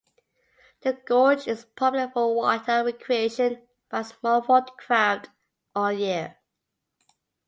The gorge is popular for water recreation by small watercraft all year.